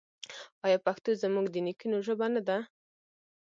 آیا پښتو زموږ د نیکونو ژبه نه ده؟